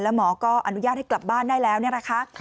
หมอก็อนุญาตให้กลับบ้านได้แล้วเนี่ยนะคะ